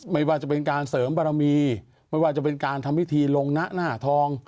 ไม่ว่าจะเป็นการเสริมบารมีไม่ว่าจะเป็นการทำพิธีลงนะหน้าทอง